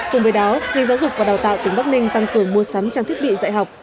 cùng với đó ngành giáo dục và đào tạo tỉnh bắc ninh tăng cường mua sắm trang thiết bị dạy học